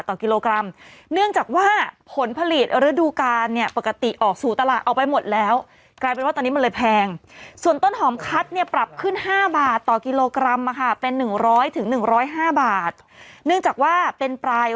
พี่ป๋องกพลดูอยู่ปรากฏโทรศัพท์เข้ามาน่ะ